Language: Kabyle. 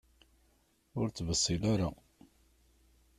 Ur ttbessil ara!